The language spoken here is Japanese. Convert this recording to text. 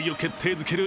づける